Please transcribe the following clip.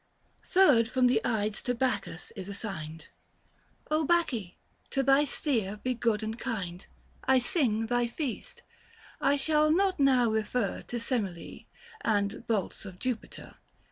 Third from the Ides to Bacchus is assigned. Bacche ! to thy Seer be good and land. 705 1 sing thy feast. I shall not now refer To Semele, and bolts of Jupiter.